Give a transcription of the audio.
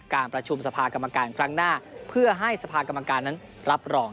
การประชุมสภากรรมการครั้งหน้าเพื่อให้สภากรรมการนั้นรับรอง